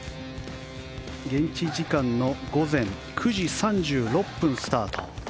現地時間午前９時３６分スタート。